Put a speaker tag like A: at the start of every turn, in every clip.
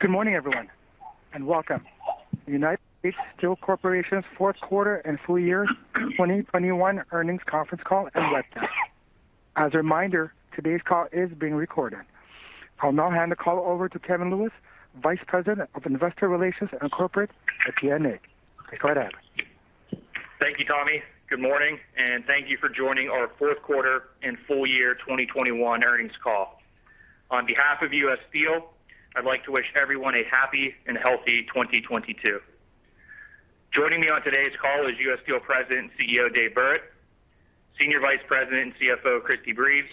A: Good morning, everyone, and welcome. United States Steel Corporation's fourth quarter and full year 2021 earnings conference call and webcast. As a reminder, today's call is being recorded. I'll now hand the call over to Kevin Lewis, Vice President of Investor Relations and Corporate FP&A. Take it away.
B: Thank you, Tommy. Good morning, and thank you for joining our fourth quarter and full year 2021 earnings call. On behalf of U. S. Steel, I'd like to wish everyone a happy and healthy 2022. Joining me on today's call is U. S. Steel President and CEO, David Burritt, Senior Vice President and CFO, Christine Breves,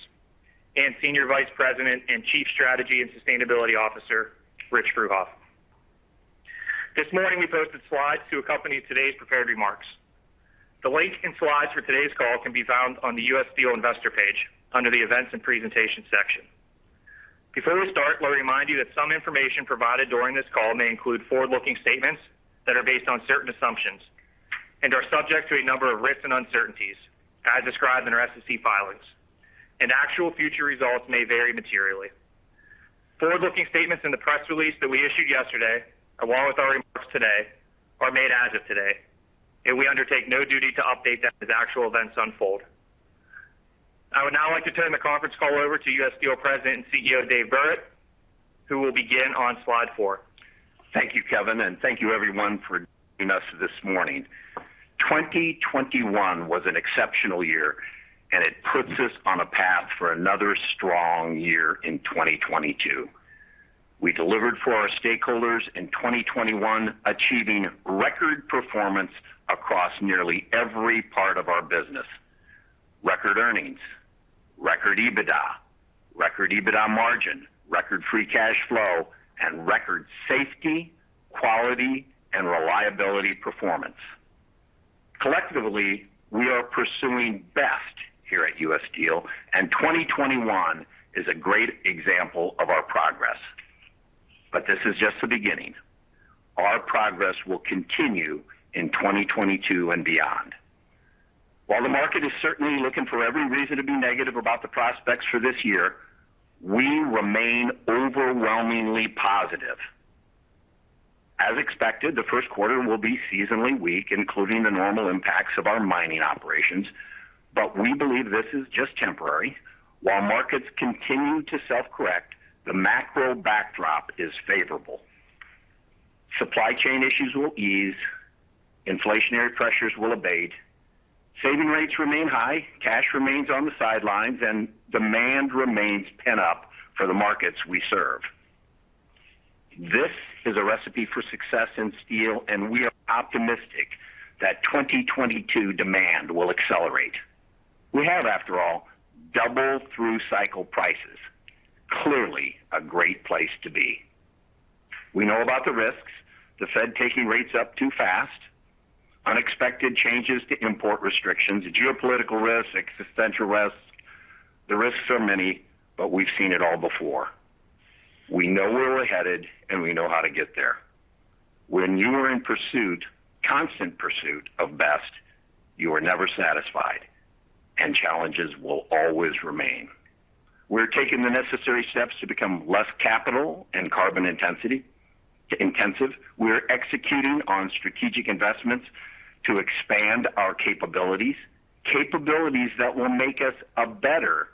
B: and Senior Vice President and Chief Strategy and Sustainability Officer, Rich Fruehauf. This morning, we posted slides to accompany today's prepared remarks. The link and slides for today's call can be found on the U. S. Steel investor page under the Events and Presentation section. Before we start, let me remind you that some information provided during this call may include forward-looking statements that are based on certain assumptions and are subject to a number of risks and uncertainties as described in our SEC filings, and actual future results may vary materially. Forward-looking statements in the press release that we issued yesterday, along with our remarks today, are made as of today, and we undertake no duty to update them as actual events unfold. I would now like to turn the conference call over to U. S. Steel President and CEO, Dave Burritt, who will begin on slide four.
C: Thank you, Kevin, and thank you everyone for joining us this morning. 2021 was an exceptional year, and it puts us on a path for another strong year in 2022. We delivered for our stakeholders in 2021, achieving record performance across nearly every part of our business. Record earnings, record EBITDA, record EBITDA margin, record free cash flow, and record safety, quality, and reliability performance. Collectively, we are pursuing best here at U. S. Steel, and 2021 is a great example of our progress. This is just the beginning. Our progress will continue in 2022 and beyond. While the market is certainly looking for every reason to be negative about the prospects for this year, we remain overwhelmingly positive. As expected, the first quarter will be seasonally weak, including the normal impacts of our mining operations, but we believe this is just temporary. While markets continue to self-correct, the macro backdrop is favorable. Supply chain issues will ease. Inflationary pressures will abate. Saving rates remain high. Cash remains on the sidelines and demand remains pent up for the markets we serve. This is a recipe for success in steel, and we are optimistic that 2022 demand will accelerate. We have, after all, double through cycle prices. Clearly a great place to be. We know about the risks. The Fed taking rates up too fast, unexpected changes to import restrictions, geopolitical risks, existential risks. The risks are many, but we've seen it all before. We know where we're headed, and we know how to get there. When you are in pursuit, constant pursuit of best, you are never satisfied, and challenges will always remain. We're taking the necessary steps to become less capital and carbon intensive. We are executing on strategic investments to expand our capabilities. Capabilities that will make us a better,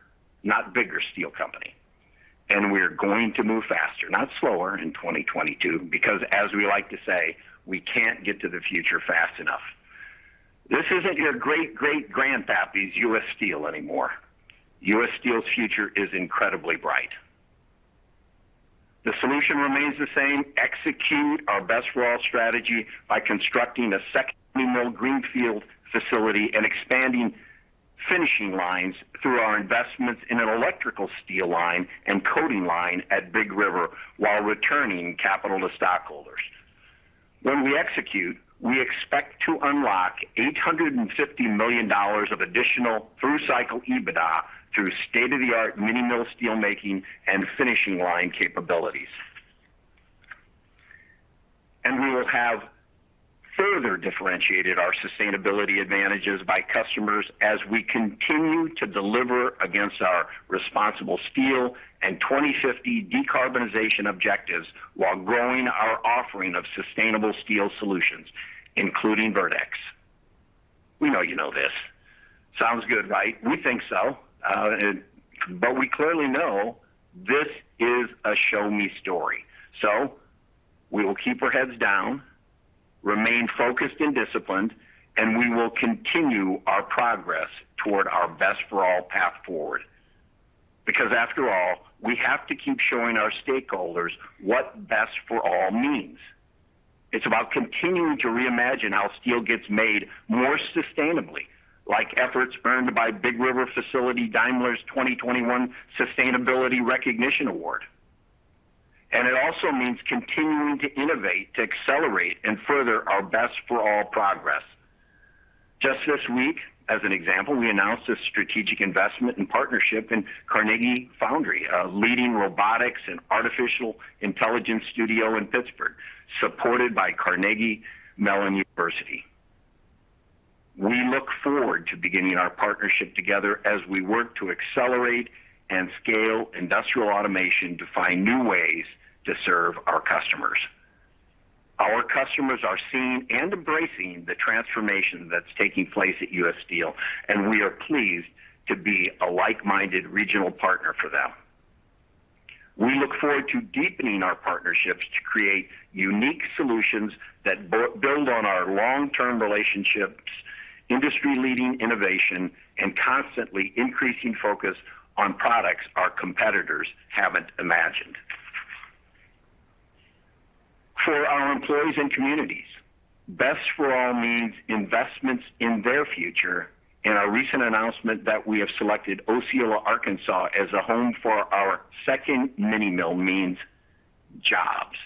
C: not bigger, steel company. We are going to move faster, not slower, in 2022, because as we like to say, we can't get to the future fast enough. This isn't your great-great-grandpappy's U. S. Steel anymore. U. S. Steel's future is incredibly bright. The solution remains the same. Execute our Best for All strategy by constructing a second mill greenfield facility and expanding finishing lines through our investments in an electrical steel line and coating line at Big River while returning capital to stockholders. When we execute, we expect to unlock $850 million of additional through cycle EBITDA through state-of-the-art mini mill steel making and finishing line capabilities. We will have further differentiated our sustainability advantages by customers as we continue to deliver against our ResponsibleSteel and 2050 decarbonization objectives while growing our offering of sustainable steel solutions, including verdeX. We know you know this. Sounds good, right? We think so. But we clearly know this is a show me story. We will keep our heads down, remain focused and disciplined, and we will continue our progress toward our Best for All path forward. Because after all, we have to keep showing our stakeholders what Best for All means. It's about continuing to reimagine how steel gets made more sustainably, like efforts earned by Big River Steel Daimler's 2021 Sustainability Recognition Award. It also means continuing to innovate, to accelerate, and further our Best for All progress. Just this week, as an example, we announced a strategic investment and partnership in Carnegie Foundry, a leading robotics and artificial intelligence studio in Pittsburgh, supported by Carnegie Mellon University. We look forward to beginning our partnership together as we work to accelerate and scale industrial automation to find new ways to serve our customers. Our customers are seeing and embracing the transformation that's taking place at U. S. Steel, and we are pleased to be a like-minded regional partner for them. We look forward to deepening our partnerships to create unique solutions that build on our long-term relationships, industry-leading innovation, and constantly increasing focus on products our competitors haven't imagined. For our employees and communities, Best for All means investments in their future. In our recent announcement that we have selected Osceola, Arkansas, as a home for our second mini mill means jobs.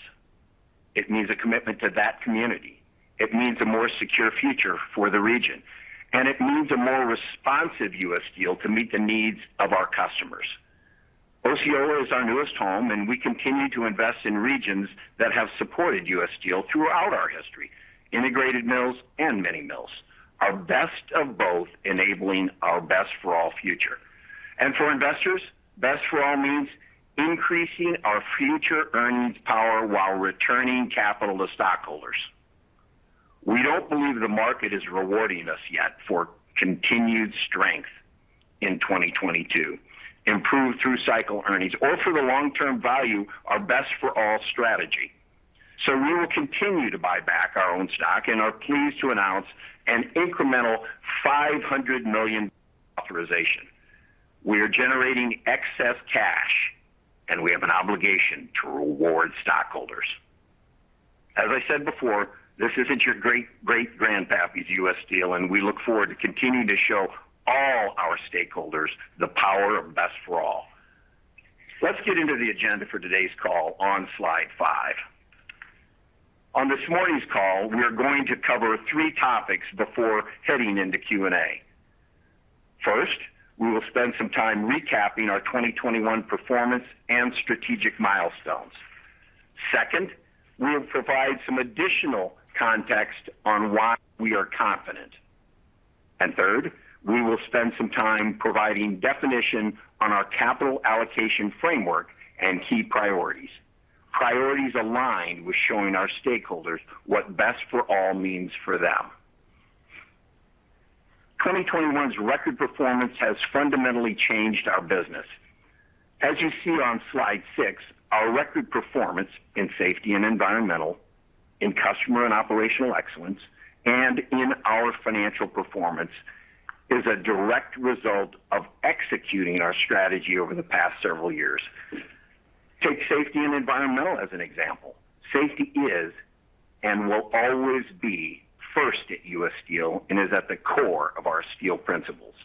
C: It means a commitment to that community. It means a more secure future for the region. It means a more responsive U. S. Steel to meet the needs of our customers. Osceola is our newest home, and we continue to invest in regions that have supported U. S. Steel throughout our history, integrated mills and mini mills. Our best of both enabling our Best for All future. For investors, Best for All means increasing our future earnings power while returning capital to stockholders. We don't believe the market is rewarding us yet for continued strength in 2022, improved through-cycle earnings or for the long-term value, our Best for All strategy. We will continue to buy back our own stock and are pleased to announce an incremental $500 million authorization. We are generating excess cash, and we have an obligation to reward stockholders. As I said before, this isn't your great grandpappy's U. S. Steel, and we look forward to continuing to show all our stakeholders the power of Best for All. Let's get into the agenda for today's call on slide five. On this morning's call, we are going to cover three topics before heading into Q&A. First, we will spend some time recapping our 2021 performance and strategic milestones. Second, we'll provide some additional context on why we are confident. Third, we will spend some time providing definition on our capital allocation framework and key priorities. Priorities aligned with showing our stakeholders what Best for All means for them. 2021's record performance has fundamentally changed our business. As you see on slide six, our record performance in safety and environmental, in customer and operational excellence, and in our financial performance is a direct result of executing our strategy over the past several years. Take safety and environmental as an example. Safety is and will always be first at U. S. Steel and is at the core of our steel principles.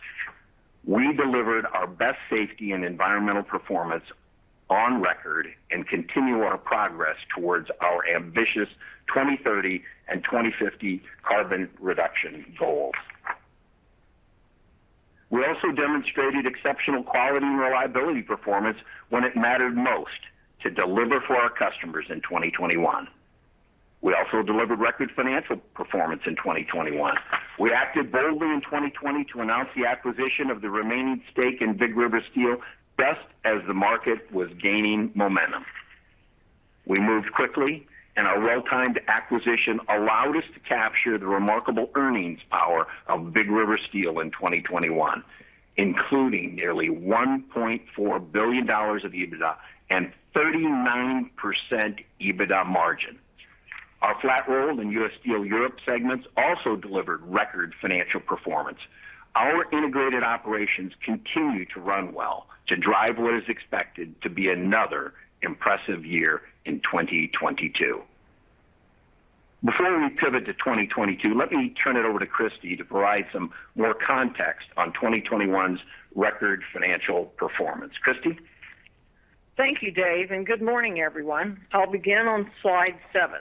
C: We delivered our best safety and environmental performance on record and continue our progress towards our ambitious 2030 and 2050 carbon reduction goals. We also demonstrated exceptional quality and reliability performance when it mattered most to deliver for our customers in 2021. We also delivered record financial performance in 2021. We acted boldly in 2020 to announce the acquisition of the remaining stake in Big River Steel just as the market was gaining momentum. We moved quickly and our well-timed acquisition allowed us to capture the remarkable earnings power of Big River Steel in 2021, including nearly $1.4 billion of EBITDA and 39% EBITDA margin. Our Flat-Rolled and U. S. Steel Europe segments also delivered record financial performance. Our integrated operations continue to run well to drive what is expected to be another impressive year in 2022. Before we pivot to 2022, let me turn it over to Christie to provide some more context on 2021's record financial performance. Christie.
D: Thank you, Dave, and good morning, everyone. I'll begin on slide seven.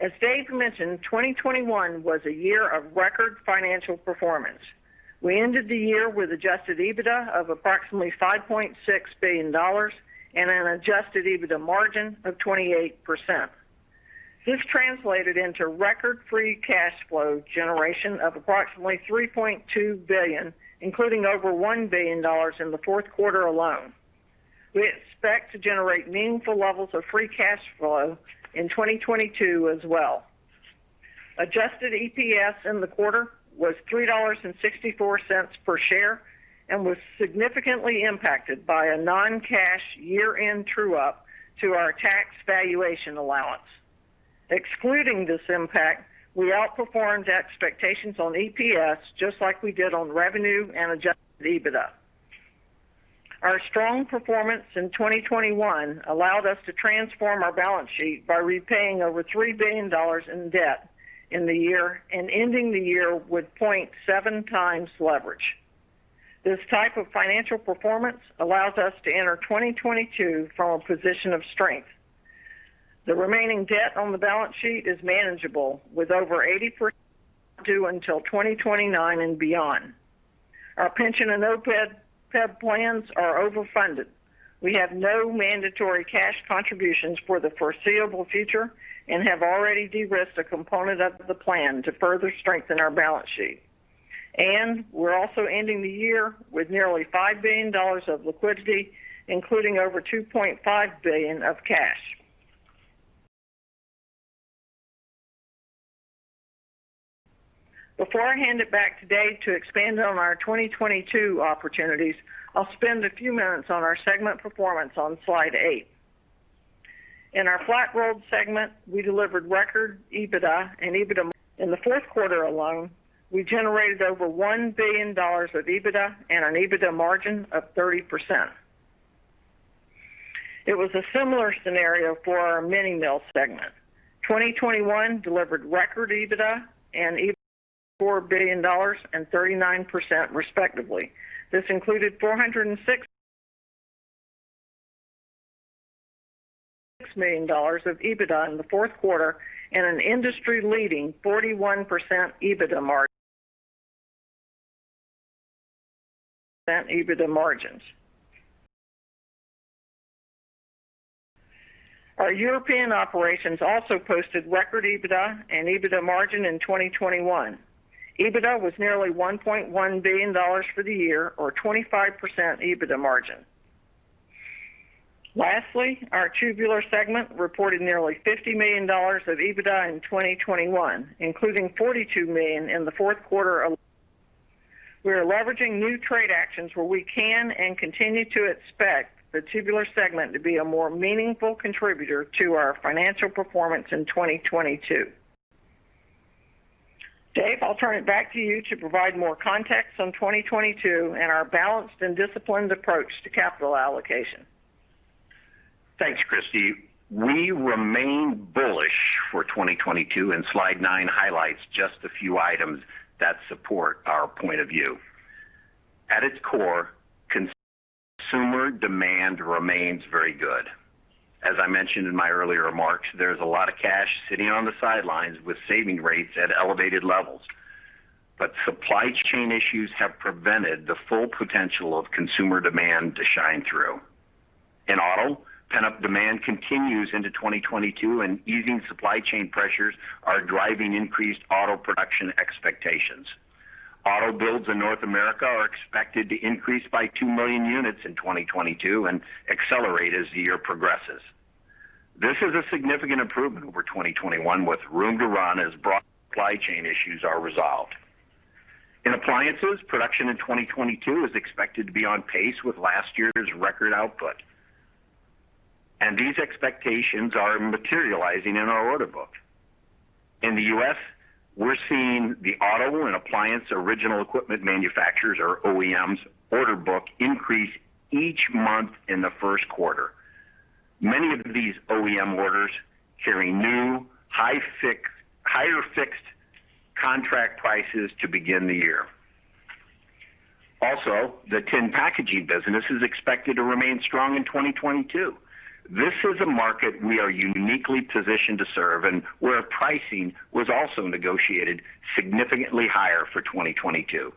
D: As Dave mentioned, 2021 was a year of record financial performance. We ended the year with Adjusted EBITDA of approximately $5.6 billion and an Adjusted EBITDA margin of 28%. This translated into record free cash flow generation of approximately $3.2 billion, including over $1 billion in the fourth quarter alone. We expect to generate meaningful levels of free cash flow in 2022 as well. Adjusted EPS in the quarter was $3.64 per share and was significantly impacted by a non-cash year-end true-up to our tax valuation allowance. Excluding this impact, we outperformed expectations on EPS just like we did on revenue and Adjusted EBITDA. Our strong performance in 2021 allowed us to transform our balance sheet by repaying over $3 billion in debt in the year and ending the year with 0.7x leverage. This type of financial performance allows us to enter 2022 from a position of strength. The remaining debt on the balance sheet is manageable, with over 80% due until 2029 and beyond. Our pension and OPEB plans are overfunded. We have no mandatory cash contributions for the foreseeable future and have already de-risked a component of the plan to further strengthen our balance sheet. We're also ending the year with nearly $5 billion of liquidity, including over $2.5 billion of cash. Before I hand it back today to expand on our 2022 opportunities, I'll spend a few minutes on our segment performance on slide eight. In our Flat-Rolled segment, we delivered record EBITDA. In the fourth quarter alone, we generated over $1 billion of EBITDA and an EBITDA margin of 30%. It was a similar scenario for our mini mill segment. 2021 delivered record EBITDA, $4 billion and 39% respectively. This included $406 million of EBITDA in the fourth quarter and an industry-leading 41% EBITDA margins. Our European operations also posted record EBITDA margin in 2021. EBITDA was nearly $1.1 billion for the year or 25% EBITDA margin. Lastly, our Tubular segment reported nearly $50 million of EBITDA in 2021, including $42 million in the fourth quarter. We are leveraging new trade actions where we can and continue to expect the Tubular segment to be a more meaningful contributor to our financial performance in 2022. Dave, I'll turn it back to you to provide more context on 2022 and our balanced and disciplined approach to capital allocation.
C: Thanks, Christie. We remain bullish for 2022, and slide nine highlights just a few items that support our point of view. At its core, consumer demand remains very good. As I mentioned in my earlier remarks, there's a lot of cash sitting on the sidelines with saving rates at elevated levels. Supply chain issues have prevented the full potential of consumer demand to shine through. In auto, pent-up demand continues into 2022, and easing supply chain pressures are driving increased auto production expectations. Auto builds in North America are expected to increase by 2 million units in 2022 and accelerate as the year progresses. This is a significant improvement over 2021, with room to run as broad supply chain issues are resolved. In appliances, production in 2022 is expected to be on pace with last year's record output. These expectations are materializing in our order book. In the U.S., we're seeing the auto and appliance original equipment manufacturers or OEMs order book increase each month in the first quarter. Many of these OEM orders carry new, higher fixed contract prices to begin the year. Also, the tin packaging business is expected to remain strong in 2022. This is a market we are uniquely positioned to serve and where pricing was also negotiated significantly higher for 2022.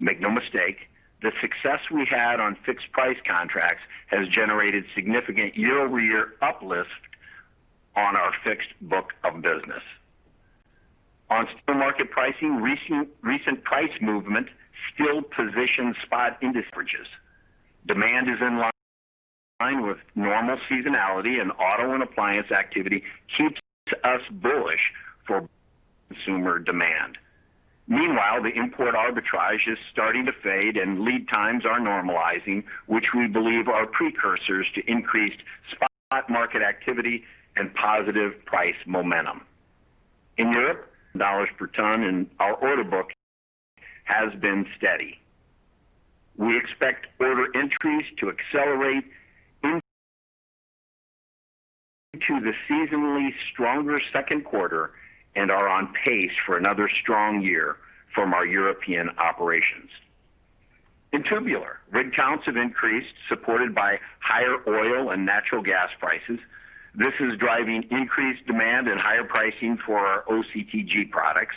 C: Make no mistake, the success we had on fixed price contracts has generated significant year-over-year uplifts on our fixed book of business. On steel market pricing, recent price movement still positions spot index prices. Demand is in line with normal seasonality, and auto and appliance activity keeps us bullish for consumer demand. Meanwhile, the import arbitrage is starting to fade and lead times are normalizing, which we believe are precursors to increased spot market activity and positive price momentum. In Europe, dollars per ton in our order book has been steady. We expect order entries to accelerate into the seasonally stronger second quarter and are on pace for another strong year from our European operations. In Tubular, rig counts have increased, supported by higher oil and natural gas prices. This is driving increased demand and higher pricing for our OCTG products.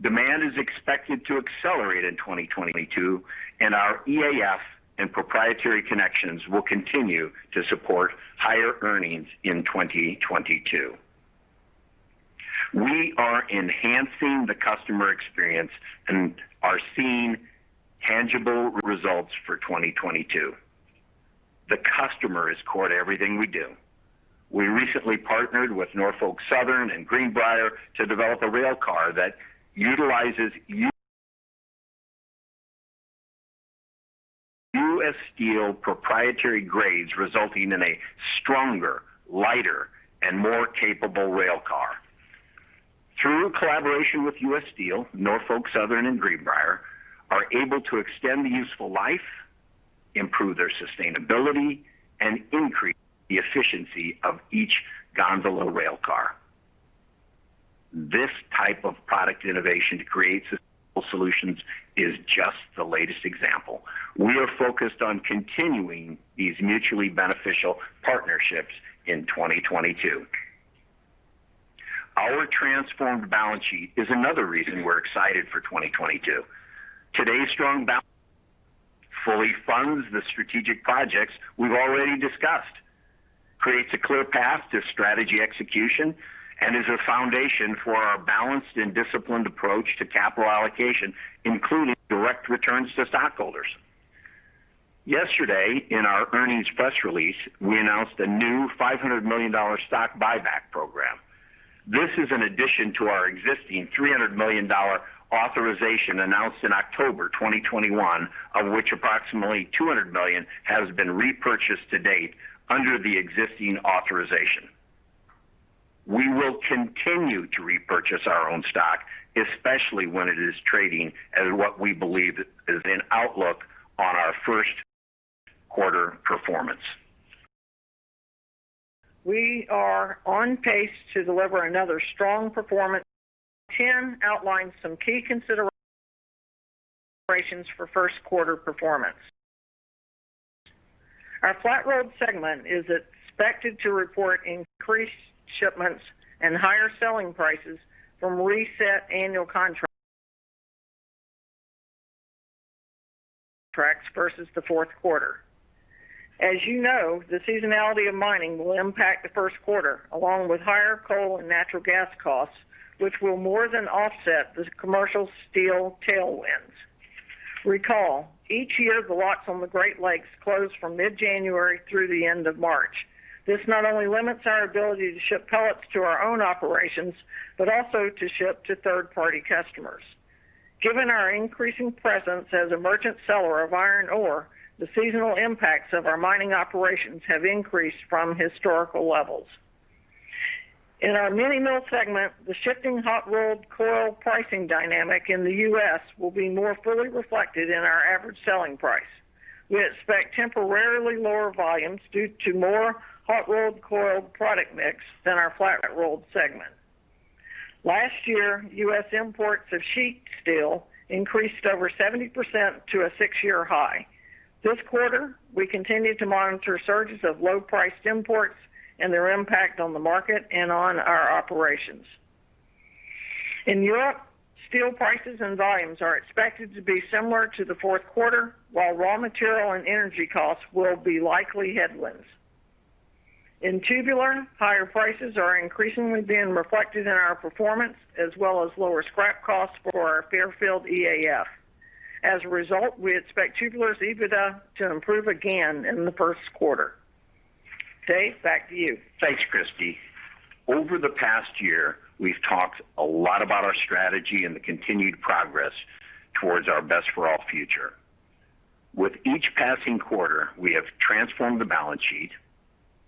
C: Demand is expected to accelerate in 2022, and our EAF and proprietary connections will continue to support higher earnings in 2022. We are enhancing the customer experience and are seeing tangible results for 2022. The customer is core to everything we do. We recently partnered with Norfolk Southern and Greenbrier to develop a rail car that utilizes U. U. S. Steel proprietary grades, resulting in a stronger, lighter, and more capable rail car. Through collaboration with U. S. Steel, Norfolk Southern and Greenbrier are able to extend the useful life, improve their sustainability, and increase the efficiency of each gondola rail car. This type of product innovation to create sustainable solutions is just the latest example. We are focused on continuing these mutually beneficial partnerships in 2022. Our transformed balance sheet is another reason we're excited for 2022. Today's strong balance sheet fully funds the strategic projects we've already discussed, creates a clear path to strategy execution, and is a foundation for our balanced and disciplined approach to capital allocation, including direct returns to stockholders. Yesterday, in our earnings press release, we announced a new $500 million stock buyback program. This is in addition to our existing $300 million authorization announced in October 2021, of which approximately $200 million has been repurchased to date under the existing authorization. We will continue to repurchase our own stock, especially when it is trading at what we believe is an outlook on our first quarter performance.
D: We are on pace to deliver another strong performance. Slide 10 outlines some key considerations for first quarter performance. Our Flat-Rolled segment is expected to report increased shipments and higher selling prices from reset annual contracts versus the fourth quarter. As you know, the seasonality of mining will impact the first quarter, along with higher coal and natural gas costs, which will more than offset the commercial steel tailwinds. Recall, each year, the locks on the Great Lakes close from mid-January through the end of March. This not only limits our ability to ship pellets to our own operations, but also to ship to third-party customers. Given our increasing presence as a merchant seller of iron ore, the seasonal impacts of our mining operations have increased from historical levels. In our mini mill segment, the shifting hot-rolled coil pricing dynamic in the U.S. will be more fully reflected in our average selling price. We expect temporarily lower volumes due to more hot-rolled coil product mix than our Flat-Rolled segment. Last year, U.S. imports of sheet steel increased over 70% to a six-year high. This quarter, we continue to monitor surges of low-priced imports and their impact on the market and on our operations. In Europe, steel prices and volumes are expected to be similar to the fourth quarter, while raw material and energy costs will be likely headwinds. In Tubular, higher prices are increasingly being reflected in our performance, as well as lower scrap costs for our Fairfield EAF. As a result, we expect Tubular's EBITDA to improve again in the first quarter. Dave, back to you.
C: Thanks, Christie. Over the past year, we've talked a lot about our strategy and the continued progress towards our Best for All future. With each passing quarter, we have transformed the balance sheet,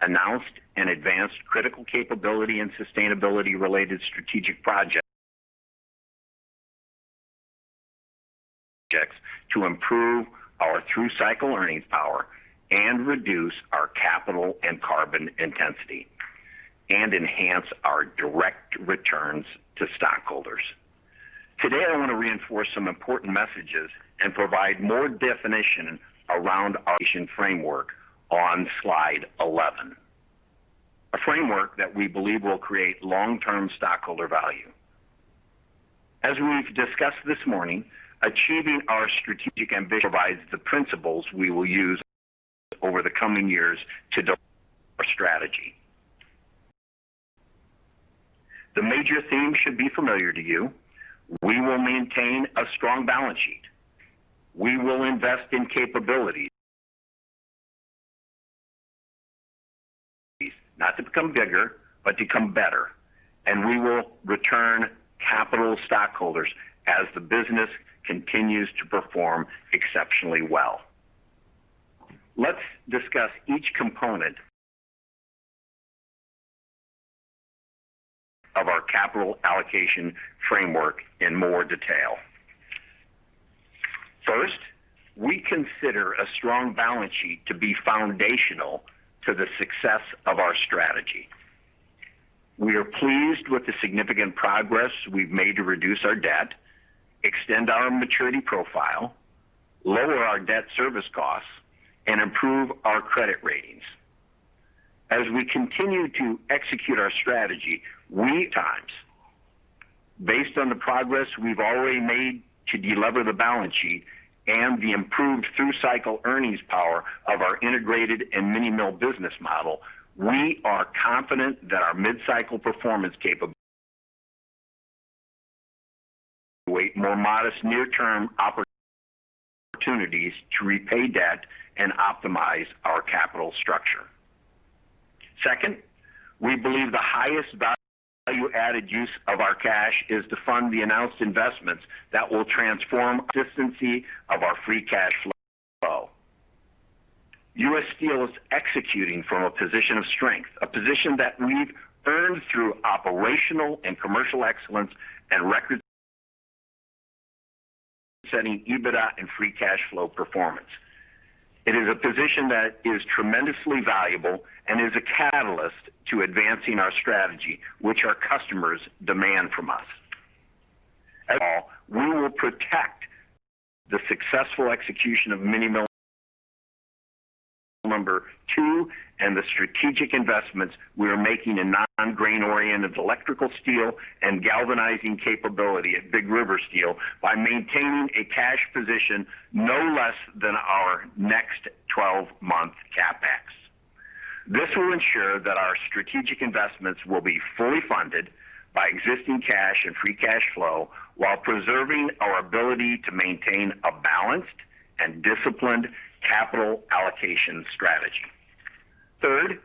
C: announced and advanced critical capability and sustainability-related strategic projects to improve our through-cycle earnings power and reduce our capital and carbon intensity and enhance our direct returns to stockholders. Today, I want to reinforce some important messages and provide more definition around our framework on slide 11. A framework that we believe will create long-term stockholder value. As we've discussed this morning, achieving our strategic ambition provides the principles we will use over the coming years to deliver our strategy. The major themes should be familiar to you. We will maintain a strong balance sheet. We will invest in capabilities, not to become bigger, but to become better. We will return capital to stockholders as the business continues to perform exceptionally well. Let's discuss each component of our capital allocation framework in more detail. First, we consider a strong balance sheet to be foundational to the success of our strategy. We are pleased with the significant progress we've made to reduce our debt, extend our maturity profile, lower our debt service costs, and improve our credit ratings. As we continue to execute our strategy, we need time. Based on the progress we've already made to delever the balance sheet and the improved through-cycle earnings power of our integrated and mini mill business model, we are confident that our mid-cycle performance capabilities allow for more modest near-term opportunities to repay debt and optimize our capital structure. Second, we believe the highest value-added use of our cash is to fund the announced investments that will transform consistency of our free cash flow. U. S. Steel is executing from a position of strength, a position that we've earned through operational and commercial excellence and record-setting EBITDA and free cash flow performance. It is a position that is tremendously valuable and is a catalyst to advancing our strategy, which our customers demand from us. We will protect the successful execution of Mini Mill 2 and the strategic investments we are making in non-grain-oriented electrical steel and galvanizing capability at Big River Steel by maintaining a cash position no less than our next 12-month CapEx. This will ensure that our strategic investments will be fully funded by existing cash and free cash flow while preserving our ability to maintain a balanced and disciplined capital allocation strategy. Third,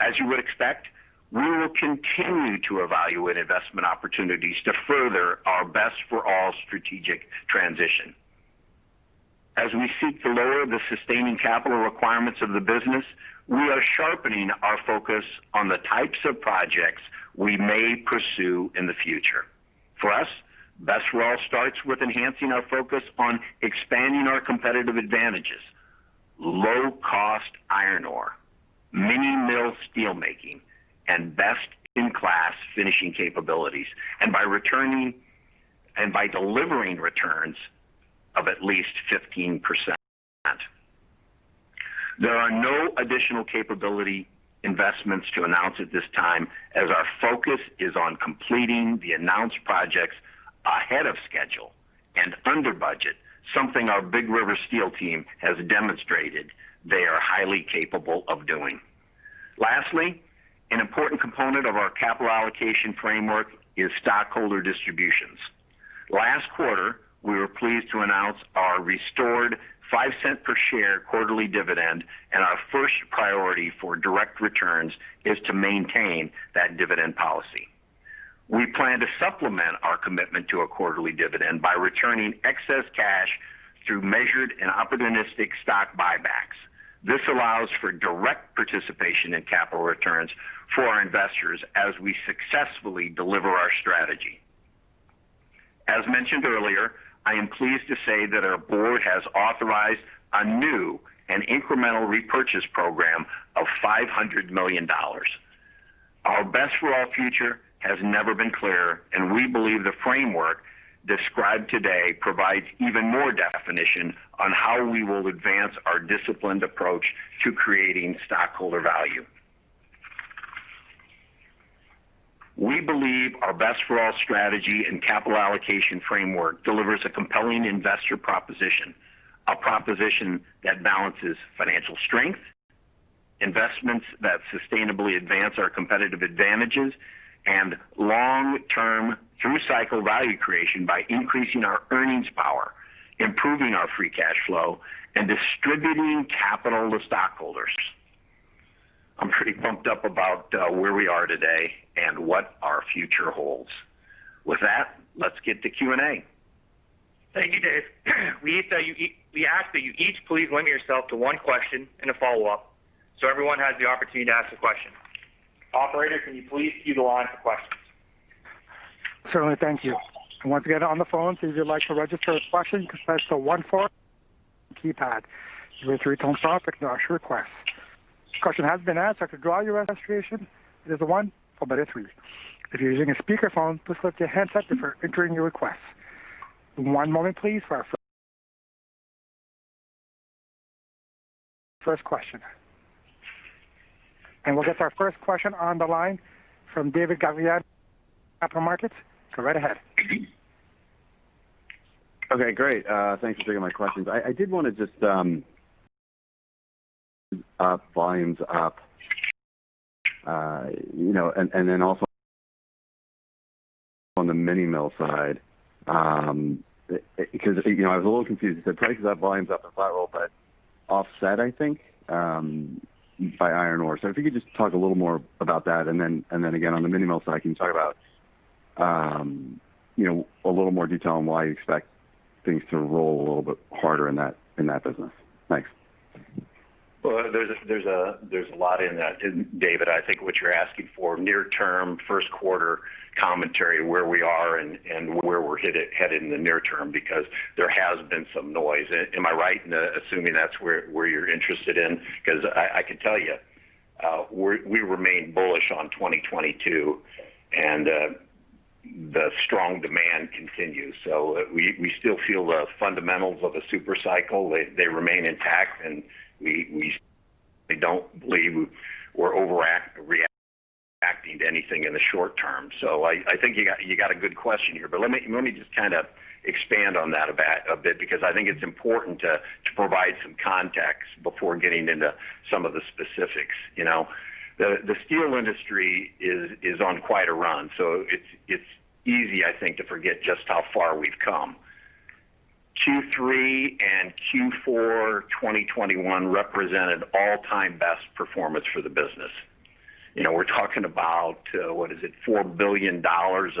C: as you would expect, we will continue to evaluate investment opportunities to further our Best for All strategic transition. As we seek to lower the sustaining capital requirements of the business, we are sharpening our focus on the types of projects we may pursue in the future. For us, Best for All starts with enhancing our focus on expanding our competitive advantages, low cost iron ore, mini mill steel making and best-in-class finishing capabilities, and by delivering returns of at least 15%. There are no additional capability investments to announce at this time, as our focus is on completing the announced projects ahead of schedule and under budget, something our Big River Steel team has demonstrated they are highly capable of doing. Lastly, an important component of our capital allocation framework is stockholder distributions. Last quarter, we were pleased to announce our restored $0.05 per share quarterly dividend, and our first priority for direct returns is to maintain that dividend policy. We plan to supplement our commitment to a quarterly dividend by returning excess cash through measured and opportunistic stock buybacks. This allows for direct participation in capital returns for our investors as we successfully deliver our strategy. As mentioned earlier, I am pleased to say that our board has authorized a new and incremental repurchase program of $500 million. Our Best for All future has never been clearer, and we believe the framework described today provides even more definition on how we will advance our disciplined approach to creating stockholder value. We believe our Best for All strategy and capital allocation framework delivers a compelling investor proposition. A proposition that balances financial strength, investments that sustainably advance our competitive advantages, and long-term through cycle value creation by increasing our earnings power, improving our free cash flow, and distributing capital to stockholders. I'm pretty pumped up about where we are today and what our future holds. With that, let's get to Q&A.
B: Thank you, Dave. We ask that you each please limit yourself to one question and a follow-up, so everyone has the opportunity to ask a question. Operator, can you please queue the line for questions?
A: Certainly. Thank you. Once again, on the phone, please if you'd like to register a question, press star one on your keypad. You will hear a three-tone prompt to acknowledge your request. If your question has been asked or to withdraw your registration, press star one followed by star three. If you're using a speakerphone, please lift your handset before entering your request. One moment please for our first question. We'll get to our first question on the line from David Gagliano, BMO Capital Markets. Go right ahead.
E: Okay, great. Thanks for taking my questions. I did wanna just volumes up, you know, and then also on the mini mill side, because, you know, I was a little confused. You said prices have volumes up in Flat-Rolled, but offset, I think, by iron ore. So if you could just talk a little more about that, and then again, on the mini mill side, can you talk about you know, a little more detail on why you expect things to roll a little bit harder in that business? Thanks.
C: Well, there's a lot in that, David. I think what you're asking for near term first quarter commentary, where we are and where we're headed in the near term because there has been some noise. Am I right in assuming that's where you're interested in? 'Cause I can tell you, we remain bullish on 2022, and the strong demand continues. We still feel the fundamentals of a super cycle, they remain intact, and we don't believe we're overreacting to anything in the short term. I think you got a good question here, but let me just kind of expand on that a bit because I think it's important to provide some context before getting into some of the specifics, you know. The steel industry is on quite a run, so it's easy, I think, to forget just how far we've come. Q3 and Q4 2021 represented all-time best performance for the business. You know, we're talking about what is it? $4 billion of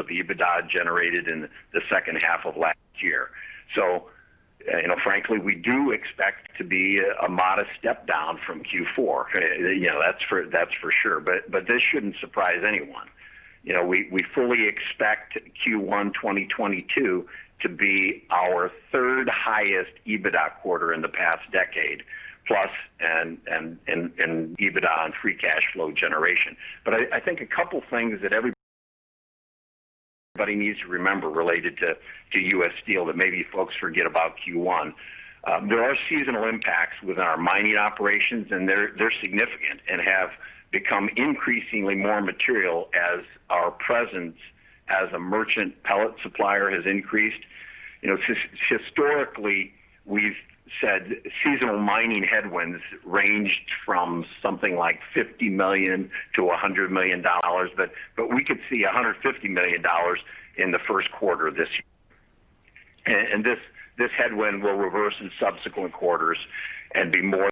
C: EBITDA generated in the second half of last year. So, you know, frankly, we do expect to be a modest step down from Q4. You know, that's for sure. This shouldn't surprise anyone. You know, we fully expect Q1 2022 to be our third-highest EBITDA quarter in the past decade. Plus and EBITDA on free cash flow generation. I think a couple things that everybody needs to remember related to US Steel that maybe folks forget about Q1. There are seasonal impacts within our mining operations, and they're significant and have become increasingly more material as our presence as a merchant pellet supplier has increased. You know, historically, we've said seasonal mining headwinds ranged from something like $50 million-$100 million. But we could see $150 million in the first quarter this year. And this headwind will reverse in subsequent quarters and be more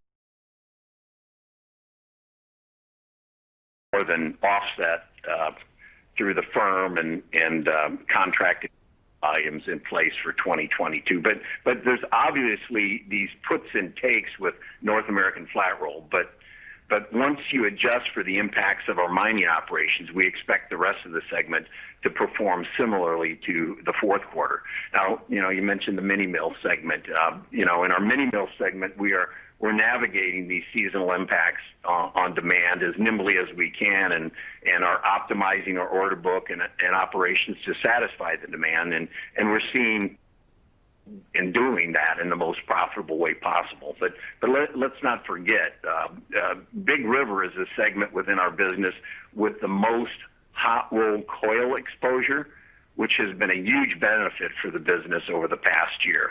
C: than offset through the firm and contracted volumes in place for 2022. But there's obviously these puts and takes with North American Flat-Rolled. But once you adjust for the impacts of our mining operations, we expect the rest of the segment to perform similarly to the fourth quarter. Now, you know, you mentioned the mini mill segment. You know, in our mini mill segment, we're navigating these seasonal impacts on demand as nimbly as we can and are optimizing our order book and operations to satisfy the demand. We're seeing and doing that in the most profitable way possible. But let's not forget, Big River is a segment within our business with the most hot-rolled coil exposure, which has been a huge benefit for the business over the past year.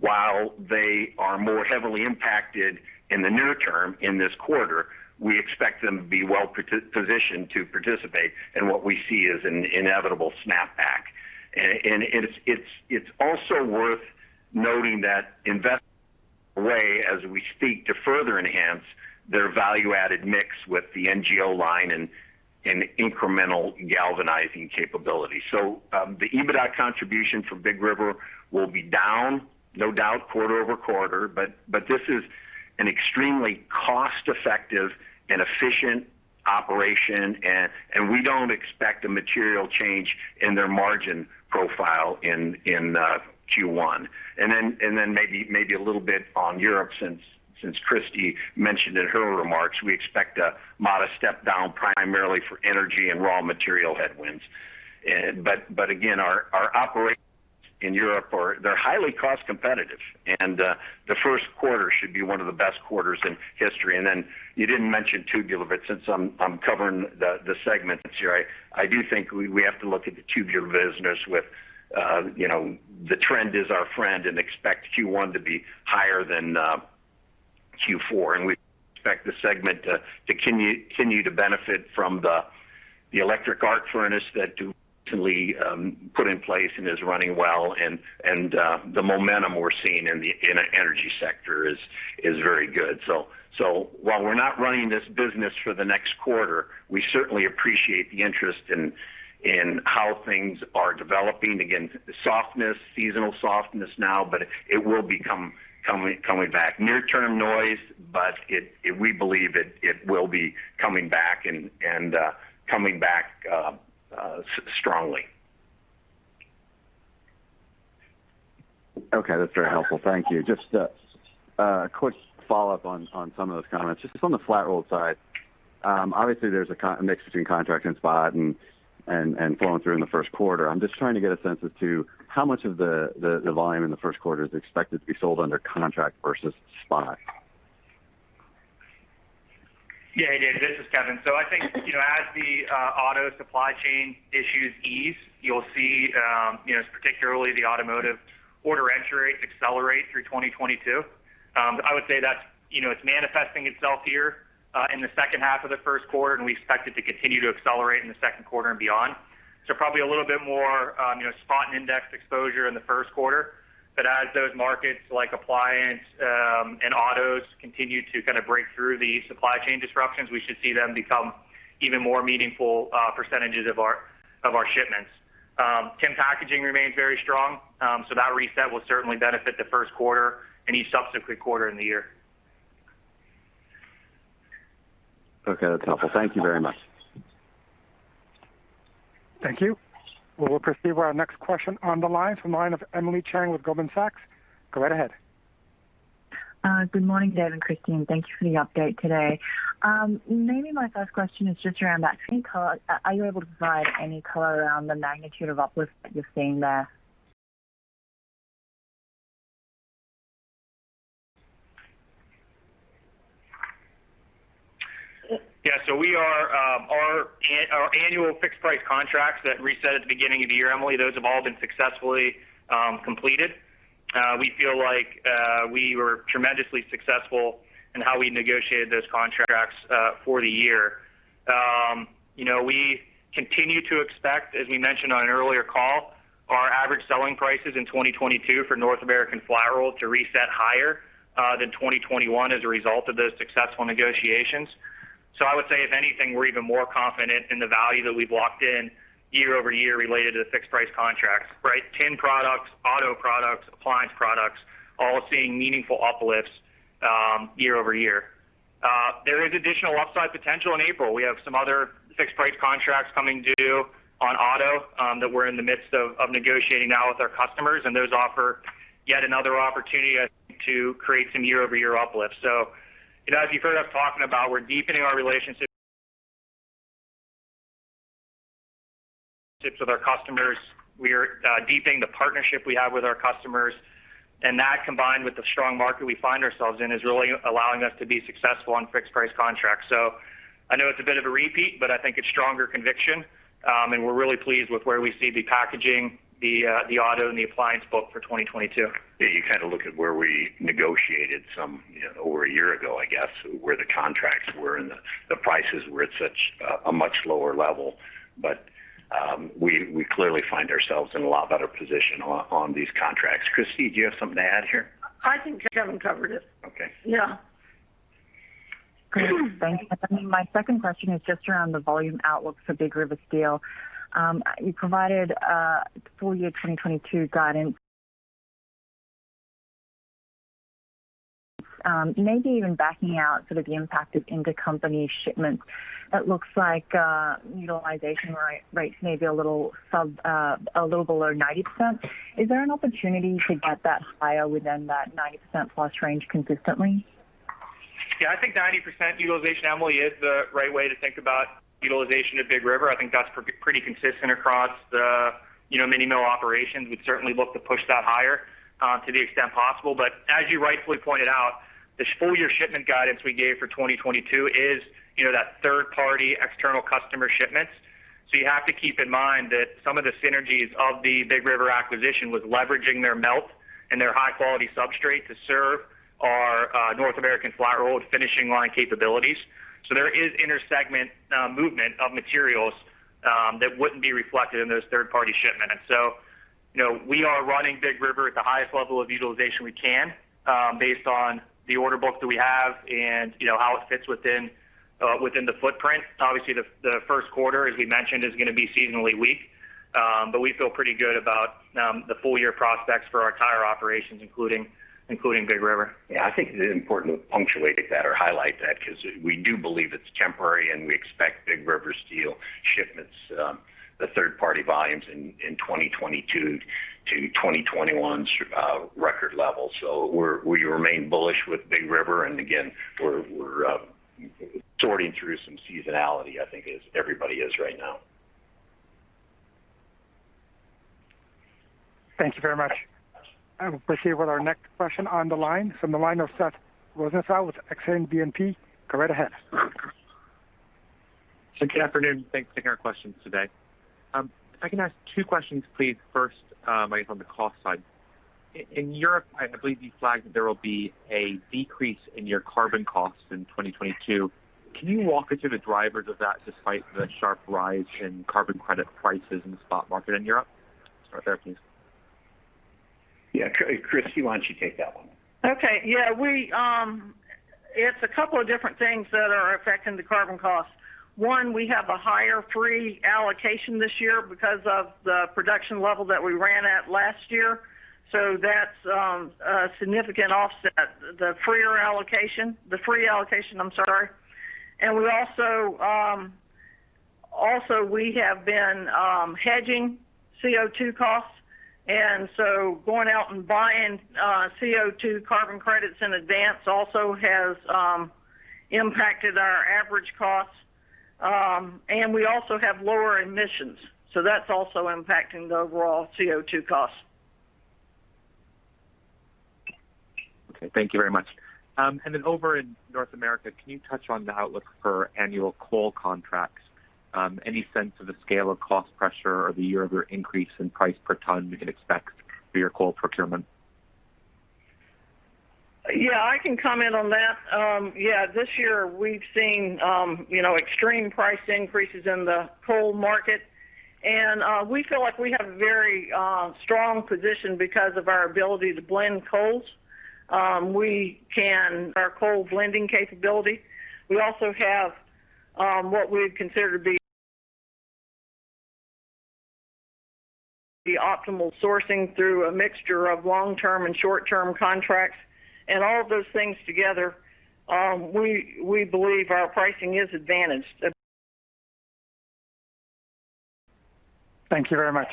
C: While they are more heavily impacted in the near term in this quarter, we expect them to be well positioned to participate in what we see as an inevitable snapback. It's also worth noting that investment underway as we speak to further enhance their value-added mix with the new galvanizing line and incremental galvanizing capability. The EBITDA contribution from Big River will be down, no doubt, quarter-over-quarter, but this is an extremely cost-effective and efficient operation. We don't expect a material change in their margin profile in Q1. Maybe a little bit on Europe, since Christie mentioned in her remarks, we expect a modest step down primarily for energy and raw material headwinds. But again, our operations in Europe are—they're highly cost competitive. The first quarter should be one of the best quarters in history. You didn't mention tubular, but since I'm covering the segments here, I do think we have to look at the tubular business with, you know, the trend is our friend and expect Q1 to be higher than Q4. We expect the segment to continue to benefit from the electric arc furnace that we put in place and is running well. The momentum we're seeing in the energy sector is very good. While we're not running this business for the next quarter, we certainly appreciate the interest in how things are developing. Again, softness, seasonal softness now, but it will be coming back. Near-term noise, but we believe it will be coming back and coming back strongly.
E: Okay, that's very helpful. Thank you. Just a quick follow-up on some of those comments. Just on the Flat-Rolled side, obviously there's a mix between contract and spot and flowing through in the first quarter. I'm just trying to get a sense as to how much of the volume in the first quarter is expected to be sold under contract versus spot?
B: Yeah, Dave, this is Kevin. I think, you know, as the auto supply chain issues ease, you'll see, you know, particularly the automotive order entry accelerate through 2022. I would say that, you know, it's manifesting itself here in the second half of the first quarter, and we expect it to continue to accelerate in the second quarter and beyond. Probably a little bit more, you know, spot and index exposure in the first quarter. But as those markets, like appliance and autos, continue to kind of break through the supply chain disruptions, we should see them become even more meaningful percentages of our shipments. Tin packaging remains very strong. That reset will certainly benefit the first quarter and each subsequent quarter in the year.
E: Okay, that's helpful. Thank you very much.
A: Thank you. We'll proceed with our next question on the line of Emily Chieng with Goldman Sachs. Go right ahead.
F: Good morning, Dave and Christine. Thank you for the update today. Maybe my first question is just around that screen color. Are you able to provide any color around the magnitude of uplift that you're seeing there?
B: Yeah. Our annual fixed price contracts that reset at the beginning of the year, Emily, those have all been successfully completed. We feel like we were tremendously successful in how we negotiated those contracts for the year. You know, we continue to expect, as we mentioned on an earlier call, our average selling prices in 2022 for North American Flat-Rolled to reset higher than 2021 as a result of those successful negotiations. I would say, if anything, we're even more confident in the value that we've locked in year-over-year related to the fixed price contracts, right? Tin products, auto products, appliance products, all seeing meaningful uplifts year-over-year. There is additional upside potential in April. We have some other fixed price contracts coming due on auto that we're in the midst of negotiating now with our customers, and those offer yet another opportunity, I think, to create some year-over-year uplift. You know, as you've heard us talking about, we're deepening our relationships with our customers. We are deepening the partnership we have with our customers. That combined with the strong market we find ourselves in is really allowing us to be successful on fixed price contracts. I know it's a bit of a repeat, but I think it's stronger conviction. We're really pleased with where we see the packaging, the auto and the appliance book for 2022.
C: Yeah, you kind of look at where we negotiated some, you know, over a year ago, I guess, where the contracts were and the prices were at such a much lower level. We clearly find ourselves in a lot better position on these contracts. Christie, do you have something to add here?
D: I think Kevin covered it.
C: Okay.
D: Yeah.
F: Great. Thank you. My second question is just around the volume outlook for Big River Steel. You provided full year 2022 guidance. Maybe even backing out sort of the impact of intercompany shipments, it looks like utilization rates may be a little below 90%. Is there an opportunity to get that higher within that 90%+ range consistently?
B: Yeah, I think 90% utilization, Emily Chieng, is the right way to think about utilization at Big River. I think that's pretty consistent across the, you know, mini mill operations. We'd certainly look to push that higher, to the extent possible. As you rightfully pointed out, the full year shipment guidance we gave for 2022 is, you know, that third party external customer shipments. You have to keep in mind that some of the synergies of the Big River acquisition was leveraging their melt and their high-quality substrate to serve our, North American Flat-Rolled finishing line capabilities. There is inter-segment movement of materials, that wouldn't be reflected in those third-party shipments. You know, we are running Big River at the highest level of utilization we can based on the order book that we have and you know how it fits within the footprint. Obviously, the first quarter, as we mentioned, is gonna be seasonally weak. We feel pretty good about the full year prospects for our tire operations, including Big River.
C: Yeah. I think it's important to punctuate that or highlight that 'cause we do believe it's temporary, and we expect Big River Steel shipments, the third-party volumes in 2022 to 2021's record levels. We remain bullish with Big River, and again, we're sorting through some seasonality, I think, as everybody is right now.
A: Thank you very much. I will proceed with our next question on the line from Seth Rosenfeld with Exane BNP. Go right ahead.
G: Good afternoon. Thanks for taking our questions today. If I can ask two questions, please. First, I guess on the cost side. In Europe, I believe you flagged that there will be a decrease in your carbon costs in 2022. Can you walk us through the drivers of that despite the sharp rise in carbon credit prices in the spot market in Europe? Start there, please.
C: Yeah. Christie, why don't you take that one?
D: It's a couple of different things that are affecting the carbon cost. One, we have a higher free allocation this year because of the production level that we ran at last year, so that's a significant offset, the free allocation. We also have been hedging CO2 costs, so going out and buying CO2 carbon credits in advance also has impacted our average costs. We also have lower emissions, so that's also impacting the overall CO2 costs.
G: Okay. Thank you very much. Over in North America, can you touch on the outlook for annual coal contracts? Any sense of the scale of cost pressure or the year-over-year increase in price per ton we can expect for your coal procurement?
D: Yeah, I can comment on that. Yeah, this year we've seen, you know, extreme price increases in the coal market, and we feel like we have a very strong position because of our ability to blend coals. Our coal blending capability. We also have what we would consider to be the optimal sourcing through a mixture of long-term and short-term contracts. All of those things together, we believe our pricing is advantaged.
A: Thank you very much.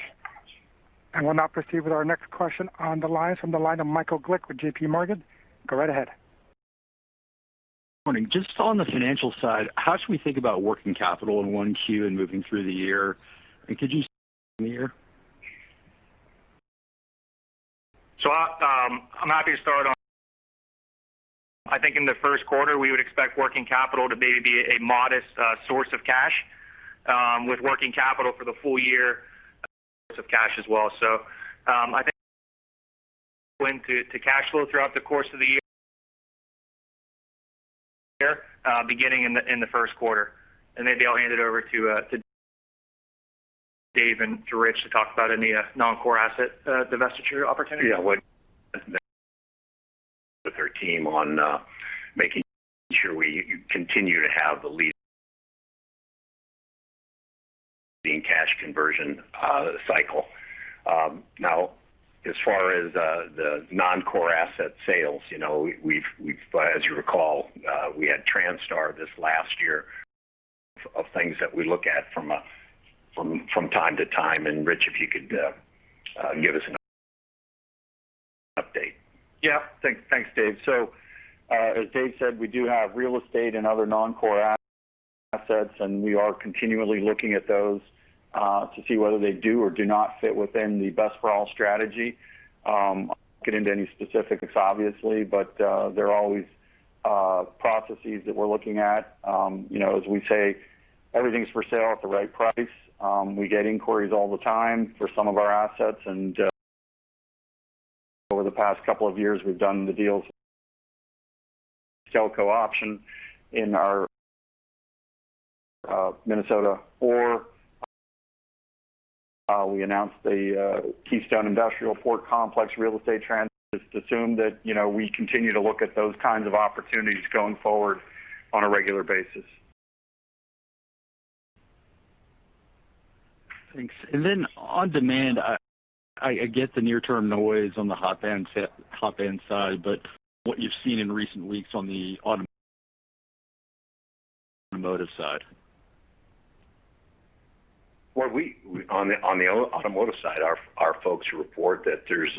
A: I will now proceed with our next question on the line from Michael Glick with JPMorgan. Go right ahead.
H: Morning. Just on the financial side, how should we think about working capital in 1Q and moving through the year?
B: I'm happy to start on. I think in the first quarter, we would expect working capital to maybe be a modest source of cash, with working capital for the full year source of cash as well. I think to cash flow throughout the course of the year, beginning in the first quarter. Maybe I'll hand it over to Dave and Rich to talk about any non-core asset divestiture opportunities.
C: With their team on making sure we continue to have the leading cash conversion cycle. Now, as far as the non-core asset sales, you know, we've, as you recall, we had Transtar this last year, one of the things that we look at from time to time. Rich, if you could give us an update.
I: Yeah. Thanks, Dave. As Dave said, we do have real estate and other non-core assets, and we are continually looking at those to see whether they do or do not fit within the Best for All strategy. I won't get into any specifics, obviously, but there are always processes that we're looking at. You know, as we say, everything's for sale at the right price. We get inquiries all the time for some of our assets. Over the past couple of years, we've done the deals, Keetac option in our Minnesota, or we announced the Keystone Industrial Port Complex real estate transaction. Just assume that, you know, we continue to look at those kinds of opportunities going forward on a regular basis.
H: Thanks. On demand, I get the near-term noise on the hot band side. What you've seen in recent weeks on the automotive side.
C: On the automotive side, our folks report that there's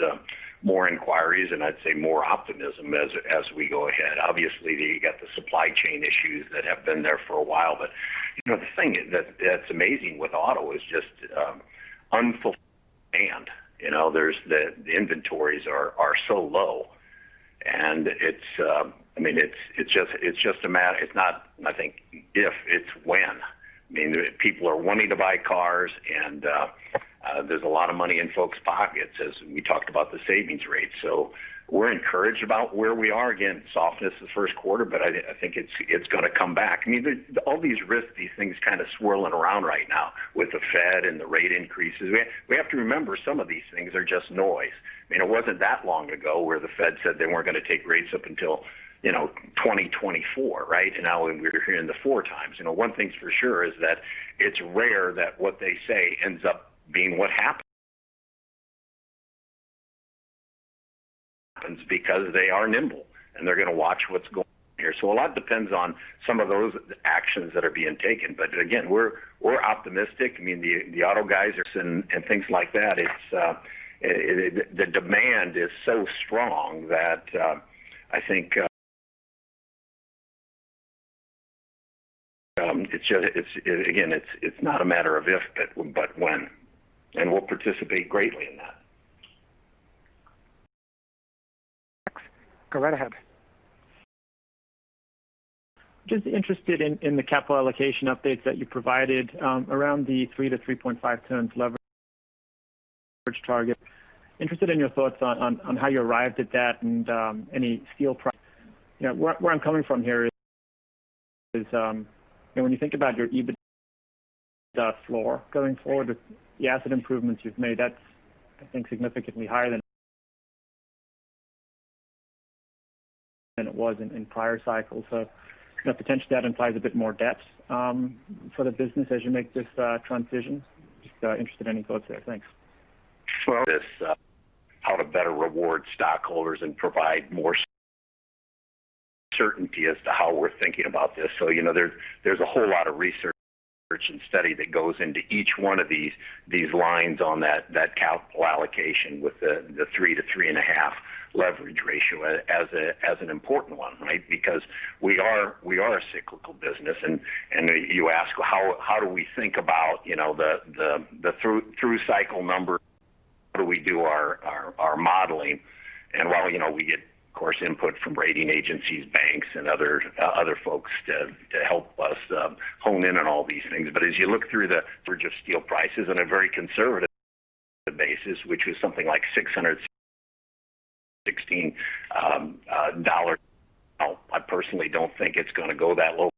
C: more inquiries and I'd say more optimism as we go ahead. Obviously, you got the supply chain issues that have been there for a while. You know, the thing that's amazing with auto is just unfulfilled demand. You know, the inventories are so low, and it's, I mean, it's just a matter. It's not, I think, if it's when. I mean, people are wanting to buy cars and there's a lot of money in folks' pockets as we talked about the savings rate. We're encouraged about where we are. Again, softness in the first quarter, but I think it's gonna come back. I mean, all these risks, these things kind of swirling around right now with the Fed and the rate increases. We have to remember some of these things are just noise. I mean, it wasn't that long ago where the Fed said they weren't gonna take rates up until, you know, 2024, right? And now we're hearing the four times. You know, one thing's for sure is that it's rare that what they say ends up being what happens because they are nimble and they're gonna watch what's going on here. A lot depends on some of those actions that are being taken. Again, we're optimistic. I mean, the auto guys and things like that. The demand is so strong that I think it's, again, not a matter of if, but when. We'll participate greatly in that.
A: Go right ahead.
J: Just interested in the capital allocation updates that you provided around the 3-3.5x leverage target. Interested in your thoughts on how you arrived at that and, you know, where I'm coming from here is, when you think about your EBITDA floor going forward, the asset improvements you've made, that's I think significantly higher than it was in prior cycles. You know, potentially that implies a bit more depth for the business as you make this transition. Just interested in any thoughts there. Thanks.
C: This, how to better reward stockholders and provide more certainty as to how we're thinking about this. You know, there's a whole lot of research and study that goes into each one of these lines on that capital allocation with the 3-3.5 leverage ratio as an important one, right? Because we are a cyclical business. You ask how do we think about, you know, the through cycle number? How do we do our modeling? While you know, we get of course input from rating agencies, banks and other folks to help us hone in on all these things. As you look through the bridge of steel prices on a very conservative basis, which is something like $616. I personally don't think it's gonna go that low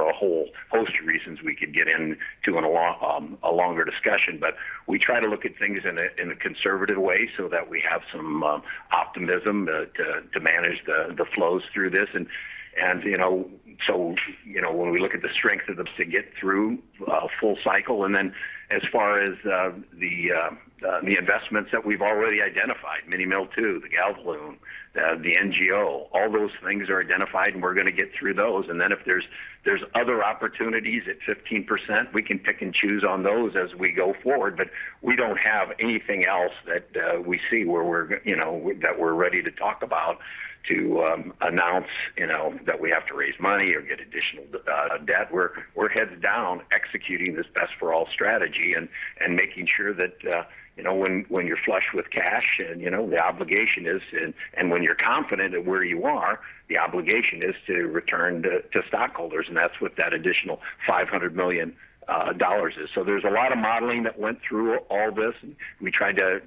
C: for a whole host of reasons we could get into in a longer discussion. We try to look at things in a conservative way so that we have some optimism to manage the flows through this. You know, when we look at the strength of U. S. Steel to get through a full cycle. As far as the investments that we've already identified, Mini Mill 2, the GALVALUME, the NGO, all those things are identified, and we're gonna get through those. If there's other opportunities at 15%, we can pick and choose on those as we go forward. But we don't have anything else that we see where we're, you know, that we're ready to talk about to announce, you know, that we have to raise money or get additional debt. We're heads down executing this Best for All strategy and making sure that, you know, when you're flush with cash and, you know, the obligation is, and when you're confident in where you are, the obligation is to return to stockholders, and that's what that additional $500 million is. There's a lot of modeling that went through all this, and we tried to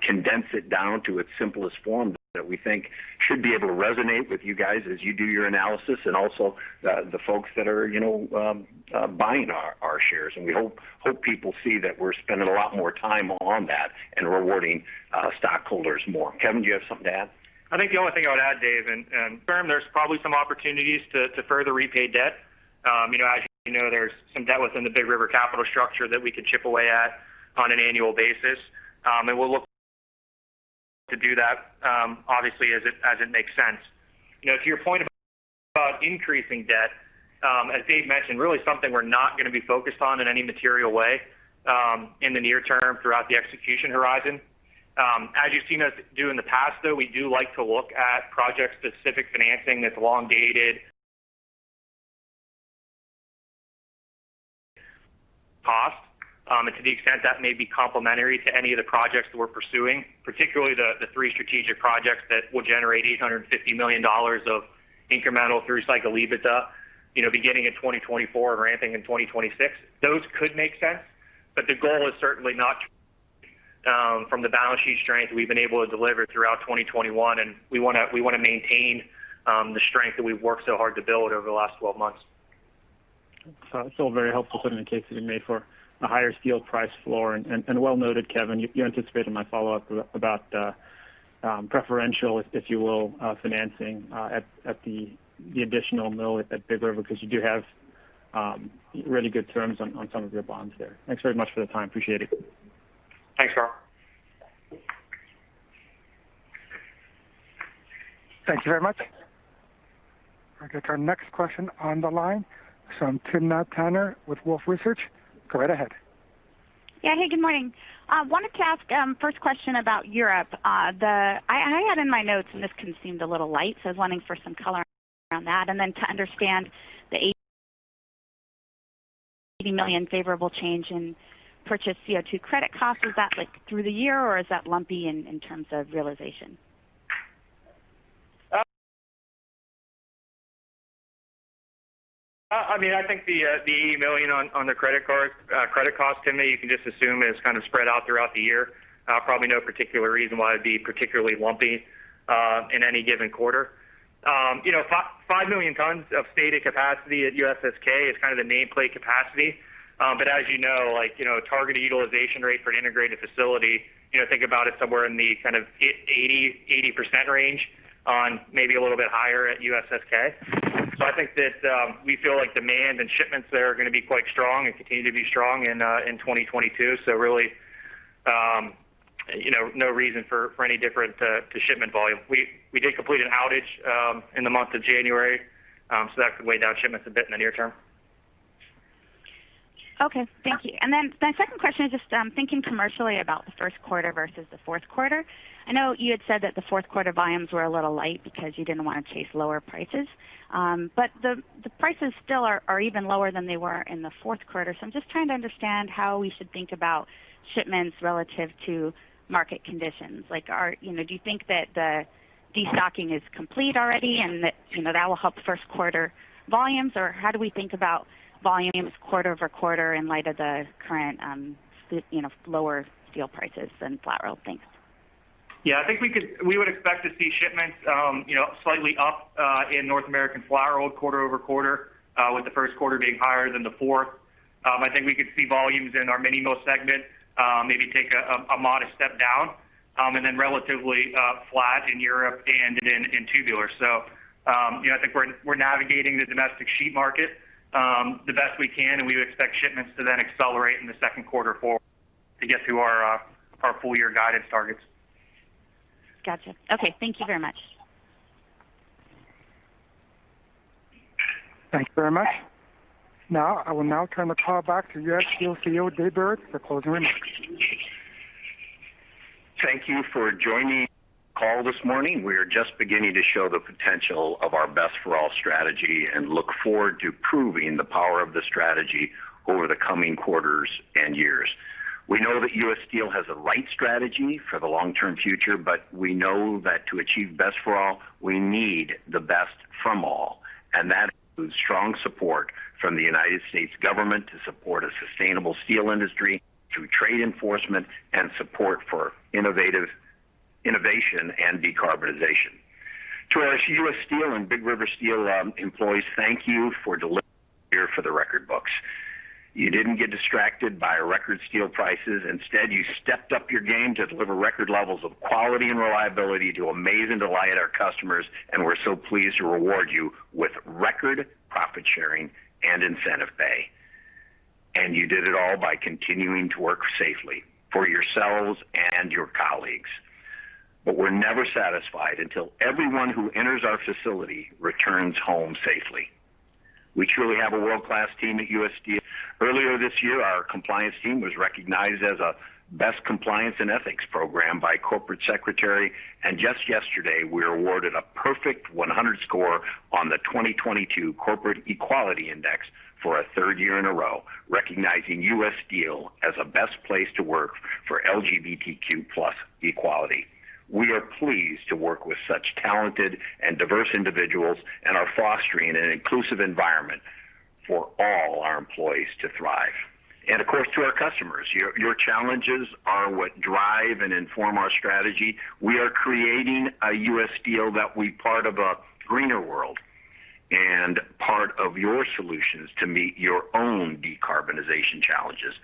C: condense it down to its simplest form that we think should be able to resonate with you guys as you do your analysis and also the folks that are, you know, buying our shares. We hope people see that we're spending a lot more time on that and rewarding stockholders more. Kevin, do you have something to add?
B: I think the only thing I would add, Dave, and confirm, there's probably some opportunities to further repay debt. You know, as you know, there's some debt within the Big River capital structure that we could chip away at on an annual basis. We'll look to do that, obviously, as it makes sense. You know, to your point about increasing debt, as Dave mentioned, really something we're not gonna be focused on in any material way, in the near term throughout the execution horizon. As you've seen us do in the past, though, we do like to look at project-specific financing that's long-dated, low-cost. To the extent that may be complementary to any of the projects that we're pursuing, particularly the three strategic projects that will generate $850 million of incremental through cycle EBITDA, you know, beginning in 2024 and ramping in 2026. Those could make sense, but the goal is certainly not from the balance sheet strength we've been able to deliver throughout 2021, and we wanna maintain the strength that we've worked so hard to build over the last 12 months.
J: It's all very helpful putting the case that you made for a higher steel price floor. Well noted, Kevin, you anticipated my follow-up about the preferential, if you will, financing at the additional mill at Big River because you do have really good terms on some of your bonds there. Thanks very much for the time. Appreciate it.
C: Thanks, Carl.
A: Thank you very much. Okay, our next question on the line is from Timna Tanners with Wolfe Research. Go right ahead.
K: Yeah. Hey, good morning. I wanted to ask, first question about Europe. I had in my notes, and this can seem a little light, so I was wanting some color around that. Then to understand the $80 million favorable change in purchased CO2 credit costs. Is that, like, through the year, or is that lumpy in terms of realization?
B: I mean, I think the $1 million on the credit card credit cost, Timna, you can just assume is kind of spread out throughout the year. Probably no particular reason why it'd be particularly lumpy in any given quarter. 5 million tons of stated capacity at USSK is kind of the nameplate capacity. Target utilization rate for an integrated facility, think about it somewhere in the kind of 80% range or maybe a little bit higher at USSK. I think that we feel like demand and shipments there are gonna be quite strong and continue to be strong in 2022. Really, no reason for any different to shipment volume. We did complete an outage in the month of January. That could weigh down shipments a bit in the near term.
K: Okay. Thank you. Then my second question is just thinking commercially about the first quarter versus the fourth quarter. I know you had said that the fourth quarter volumes were a little light because you didn't wanna chase lower prices. The prices still are even lower than they were in the fourth quarter. I'm just trying to understand how we should think about shipments relative to market conditions. Like, you know, do you think that the destocking is complete already and that, you know, that will help first quarter volumes? Or how do we think about volumes quarter over quarter in light of the current, you know, lower steel prices and flat roll? Thanks.
B: Yeah. I think we would expect to see shipments, you know, slightly up, in North American Flat-Rolled quarter-over-quarter, with the first quarter being higher than the fourth. I think we could see volumes in our mini mill segment, maybe take a modest step down, and then relatively flat in Europe and in tubular. You know, I think we're navigating the domestic sheet market, the best we can, and we would expect shipments to then accelerate in the second quarter forward to get to our full-year guidance targets.
K: Gotcha. Okay. Thank you very much.
A: Thank you very much. Now, I will turn the call back to U. S. Steel CEO, Dave Burritt, for closing remarks.
C: Thank you for joining the call this morning. We are just beginning to show the potential of our Best for All® strategy and look forward to proving the power of the strategy over the coming quarters and years. We know that U. S. Steel has the right strategy for the long-term future, but we know that to achieve Best for All®, we need the best from all, and that includes strong support from the United States government to support a sustainable steel industry through trade enforcement and support for innovation and decarbonization. To our U. S. Steel and Big River Steel employees, thank you for delivering here for the record books. You didn't get distracted by record steel prices. Instead, you stepped up your game to deliver record levels of quality and reliability to amaze and delight our customers, and we're so pleased to reward you with record profit sharing and incentive pay. You did it all by continuing to work safely for yourselves and your colleagues. We're never satisfied until everyone who enters our facility returns home safely. We truly have a world-class team at U. S. Steel. Earlier this year, our compliance team was recognized as a best compliance and ethics program by Corporate Secretary. Just yesterday, we were awarded a perfect 100 score on the 2022 Corporate Equality Index for a third year in a row, recognizing U. S. Steel as a best place to work for LGBTQ+ equality. We are pleased to work with such talented and diverse individuals and are fostering an inclusive environment for all our employees to thrive. Of course, to our customers, your challenges are what drive and inform our strategy. We are creating a U. S. Steel that will be part of a greener world and part of your solutions to meet your own decarbonization challenges.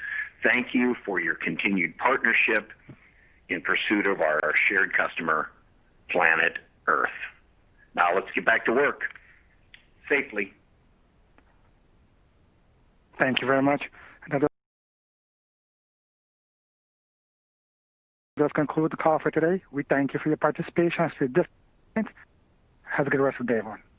C: Thank you for your continued partnership in pursuit of our shared customer, planet Earth. Now, let's get back to work safely.
A: Thank you very much. That does conclude the call for today. We thank you for your participation. Have a good rest of day one.